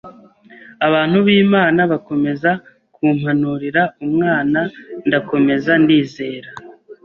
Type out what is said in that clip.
abantu b’Imana bakomeza kumpanurira umwana ndakomeza ndizera